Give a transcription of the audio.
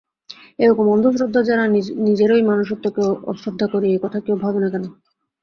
এরকম অন্ধ শ্রদ্ধার দ্বারা নিজেরই মনুষ্যত্বকে অশ্রদ্ধা করি এ কথা কেউ ভাবে না কেন?